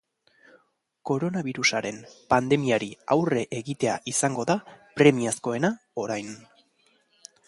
Koronabirusaren pandemiari aurre egitea izango da premiazkoena orain.